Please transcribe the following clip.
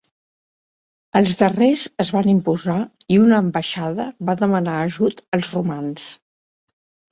Els darrers es van imposar i una ambaixada va demanar ajut als romans.